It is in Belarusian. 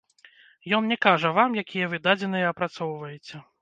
Ён не кажа вам, якія вы дадзеныя апрацоўваеце.